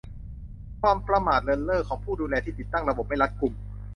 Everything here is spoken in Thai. ความประมาทเลินเล่อของผู้ดูแลที่ติดตั้งระบบไม่รัดกุม